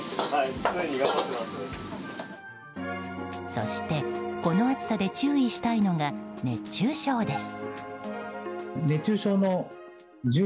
そしてこの暑さで注意したいのが熱中症です。